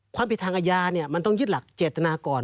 ความผิดทางอาญามันต้องยึดหลักเจตนาก่อน